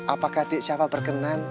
apakah rtp syafa berkenan